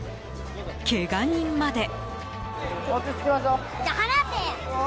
けが人まで。